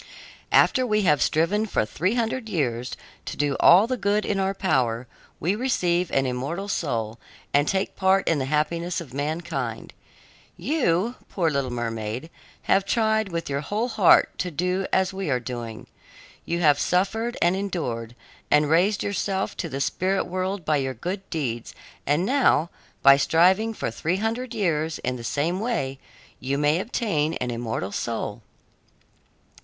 "After we have striven for three hundred years to do all the good in our power, we receive an immortal soul and take part in the happiness of mankind. You, poor little mermaid, have tried with your whole heart to do as we are doing. You have suffered and endured, and raised yourself to the spirit world by your good deeds, and now, by striving for three hundred years in the same way, you may obtain an immortal soul."